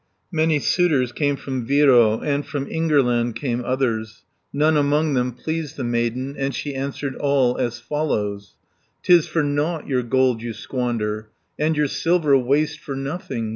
Many suitors came from Viro, And from Ingerland came others; None among them pleased the maiden, And she answered all as follows: "'Tis for nought your gold you squander, And your silver waste for nothing.